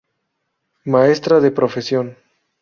Maestra de profesión.